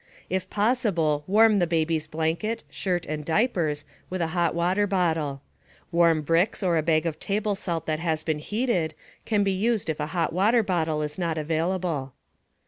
If possible, warm the baby's blanket, shirt, and diapers with a hot water bottle. Warm bricks or a bag of table salt that has been heated can be used if a hot water bottle is not available.